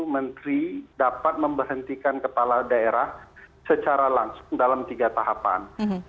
menteri dapat memberhentikan kepala daerah secara langsung dalam tiga tahapan